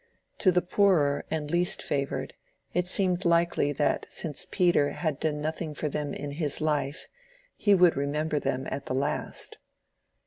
To the poorer and least favored it seemed likely that since Peter had done nothing for them in his life, he would remember them at the last.